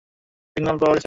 Signal পাওয়া গেছে।